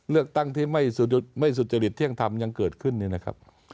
เลือกตั้งที่ไม่สุจริตเที่ยงธรรมยังเกิดขึ้นเนี่ยนะครับ